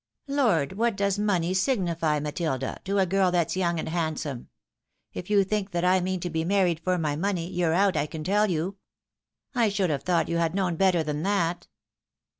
" Lord ! what does money signify, Matilda, to a girl that's young and handsome ? If you think that I mean to be married for my money, you're out, I can tell you. I should have thought you had known better than that."